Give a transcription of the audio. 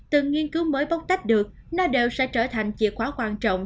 từ nghiên cứu mới bóc tách được nó đều sẽ trở thành chìa khóa quan trọng